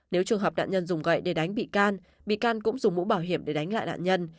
nếu trường hợp nạn nhân dùng gậy để đánh bị can bị can cũng dùng mũ bảo hiểm để đánh lại nạn nhân